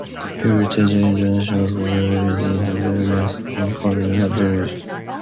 He will teach international law relating to terrorism and counter-terrorism.